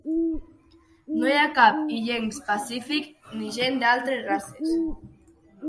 No hi ha cap illencs Pacífic ni gent d'altres races.